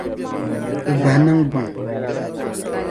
O bahi niŋgbuŋ.